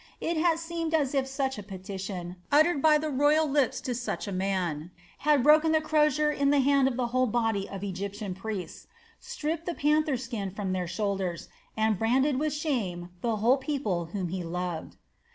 It had seemed as if such a petition, uttered by the royal lips to such a man, had broken the crozier in the hand of the whole body of Egyptian priests, stripped the panther skin from their shoulders, and branded with shame the whole people whom he loved.